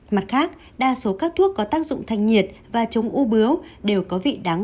mặt khác đa số các thuốc có tác dụng thanh nhiệt và chống u bướu đều có vị đắng